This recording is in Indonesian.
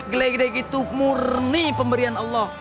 geledek itu murni pemberian allah